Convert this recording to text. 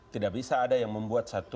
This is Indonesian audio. tidak bisa ada yang membuat satu